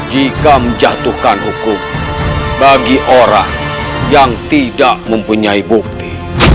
jika menjatuhkan hukum bagi orang yang tidak mempunyai bukti